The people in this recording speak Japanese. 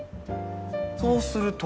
そうすると。